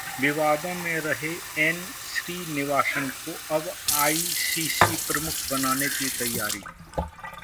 विवादों में रहे एन. श्रीनिवासन को अब आईसीसी प्रमुख बनाने की तैयारी